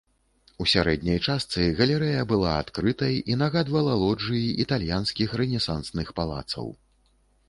У сярэдняй частцы галерэя была адкрытай і нагадвала лоджыі італьянскіх рэнесансных палацаў.